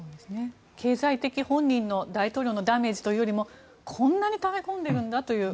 経済的な本人のダメージというよりもこんなにため込んでいるんだという。